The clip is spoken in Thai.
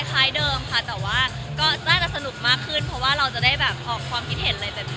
ก็คล้ายเดิมแต่ว่าจะสนุกมากขึ้นเพราะเราจะได้ออกความคิดเห็นอะไรแบบที่